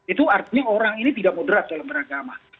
itu artinya orang ini tidak moderat dalam beragama